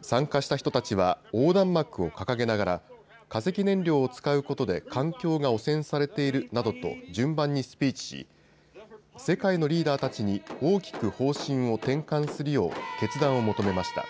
参加した人たちは横断幕を掲げながら化石燃料を使うことで環境が汚染されているなどと順番にスピーチし、世界のリーダーたちに大きく方針を転換するよう決断を求めました。